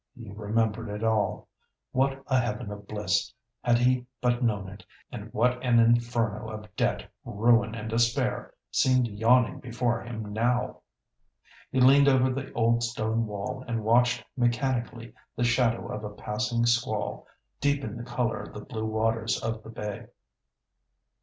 He remembered it all. What a heaven of bliss, had he but known it; and what an inferno of debt, ruin, and despair seemed yawning before him now! He leaned over the old stone wall and watched mechanically the shadow of a passing squall deepen the colour of the blue waters of the bay.